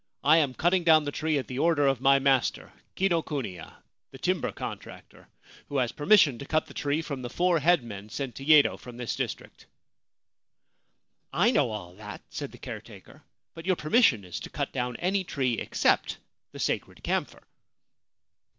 I am cutting down the tree at the order of my master Kinokuniya, the timber contractor, who has permission to cut the tree irom the four head men sent to Yedo from this district.' c I know all that,' said the caretaker ;' but your permis sion is to cut down any tree except the sacred camphor.'